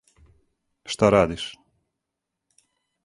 Шта радиш?